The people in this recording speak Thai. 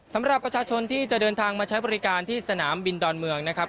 สำหรับประชาชนที่จะเดินทางมาใช้บริการที่สนามบินดอนเมืองนะครับ